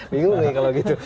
bingung nih kalau gitu